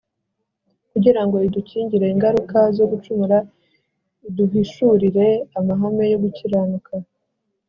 kugira ngo idukingire ingaruka zo gucumura, iduhishurira amahame yo gukiranuka